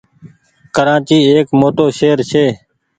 ڪرآچي ايڪ موٽو شهر ڇي۔